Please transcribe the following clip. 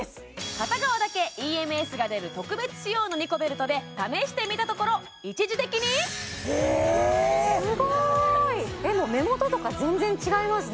片側だけＥＭＳが出る特別仕様のニコベルトで試してみたところ一時的にへえすごい目元とか全然違いますね